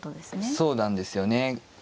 そうなんですよね。